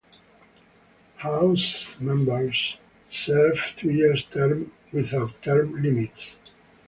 House members serve two-year terms without term limits.